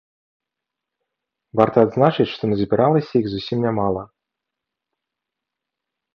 Варта адзначыць, што назбіралася іх зусім нямала.